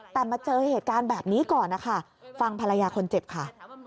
แต่มาเจอเหตุการณ์แบบนี้ก่อนนะคะฟังภรรยาคนเจ็บค่ะ